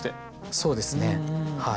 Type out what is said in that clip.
そうですねはい。